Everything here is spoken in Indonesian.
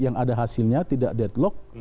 yang ada hasilnya tidak deadlock